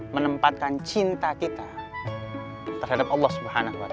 menempatkan cinta kita terhadap allah swt